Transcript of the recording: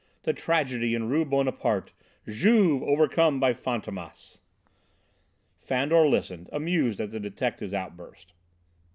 'The tragedy in Rue Bonaparte! Juve overcome by Fantômas!'" Fandor listened, amused at the detective's outburst.